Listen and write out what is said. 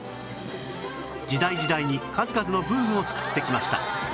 時代時代に数々のブームを作ってきました